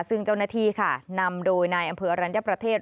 ซึ่งเจ้าหน้าที่ค่ะนำโดยนายอำเภออรัญญประเทศ